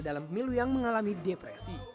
dalam pemilu yang mengalami depresi